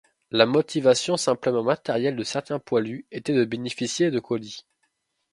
La motivation simplement matérielle de certains poilus était de bénéficier de colis.